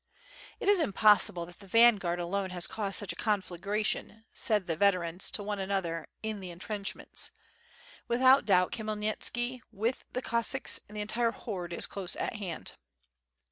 "It is impossible that the vanguard alone has caused such a conflagration," said the veterans to one another in the en trenchments, "without doubt Khmyelnitski with the Cos sacks and the entire horde is close at hand."